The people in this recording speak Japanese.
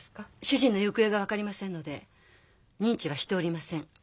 主人の行方が分かりませんので認知はしておりません。